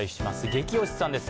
ゲキ推しさんです。